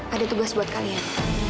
ada tugas buat kalian